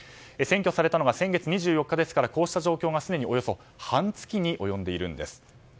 占拠されたのは先月２４日ですからこうした状況がすでにおよそ半月に及んでいるんです。